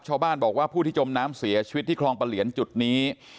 ชาวบ้านบอกว่าผู้ที่จมน้ำเสียชีวิตที่คลองประเหลียนจุดนี้